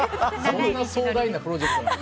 そんな壮大なプロジェクトなの。